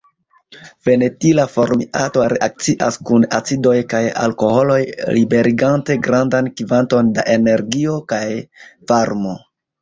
Fenetila formiato reakcias kun acidoj kaj alkoholoj liberigante grandan kvanton da energio kaj varmo.